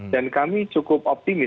dan kami cukup optimis